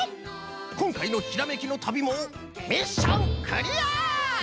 こんかいのひらめきの旅もミッションクリア！